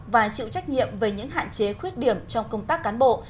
và chịu trách nhiệm về những hạn chế khuyết điểm trong công tác cán bộ